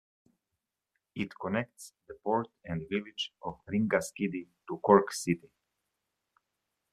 It connects the port and village of Ringaskiddy to Cork city.